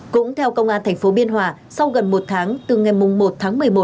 cũng theo công an thành phố biên hòa sau gần một tháng từ ngày một tháng một mươi một